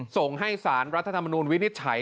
ส่งให้สารรัฐธรรมนูลวินิจฉัย